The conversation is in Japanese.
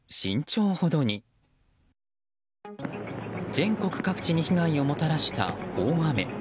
全国各地に被害をもたらした大雨。